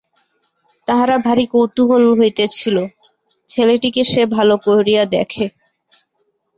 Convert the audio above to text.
তাহারা ভারি কৌতুহল হইতেছিল, ছেলেটিকে সে ভালো করিয়া দেখে।